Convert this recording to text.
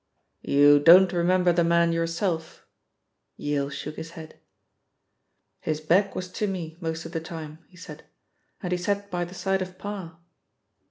"You don't remember the man yourself?" Yale shook his head. "His back was to me, most of the time," he said, "and he sat by the side of Parr."